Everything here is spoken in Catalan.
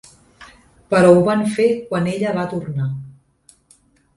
Però ho van fer quan ella va tornar.